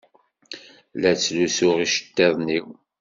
La ttlusuɣ iceṭṭiḍen-iw.